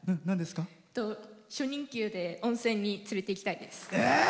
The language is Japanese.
初任給で温泉に連れていきたいです。